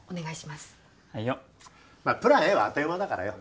まあプランＡはあっという間だからよ